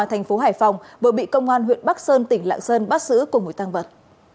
thành phố hải phòng vừa bị công an huyện bắc sơn tỉnh lạng sơn bắt giữ cùng với tăng vật